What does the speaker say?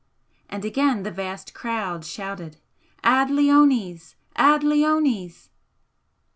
And again the vast crowd shouted "Ad leones! Ad leones!"